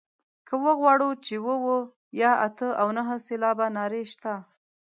که وغواړو چې اووه اووه یا اته او نهه سېلابه نارې شته.